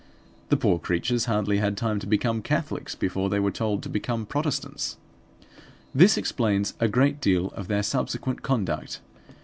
The poor creatures hardly had time to become Catholics before they were told to become Protestants. This explains a great deal of their subsequent conduct.